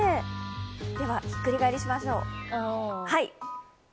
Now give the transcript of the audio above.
では、ひっくり返しましょう。